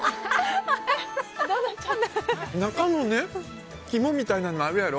中のね、肝みたいなのあるやろ？